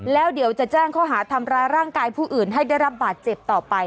แล้วเดี๋ยวจะแจ้งข้อหาทำร้ายร่างกายผู้อื่นให้ได้รับบาดเจ็บต่อไป